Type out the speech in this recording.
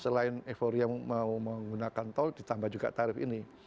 selain euforia mau menggunakan tol ditambah juga tarif ini